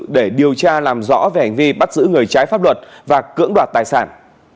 để điều tra làm rõ về hành vi bắt giữ người trái pháp luật và cưỡng đoạt tài sản